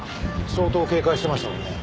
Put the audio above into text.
相当警戒してましたもんね。